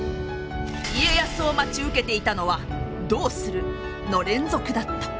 家康を待ち受けていたのは「どうする？」の連続だった。